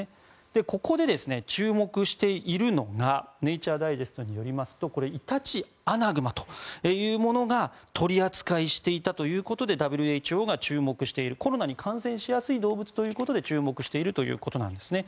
ここで注目しているのが「ネイチャーダイジェスト」によりますとイタチアナグマというものが取り扱いしていたということでＷＨＯが注目しているコロナに感染しやすい動物ということで注目しているということです。